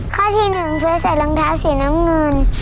ข้อที่๑ช่วยใส่รองเท้าสีน้ำเงิน